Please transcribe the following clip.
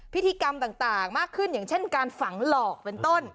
พิธีกรรมต่างมากขึ้นอย่างเช่นการฝังหลอกเป็นต้น